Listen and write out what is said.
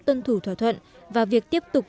tân thủ thỏa thuận và việc tiếp tục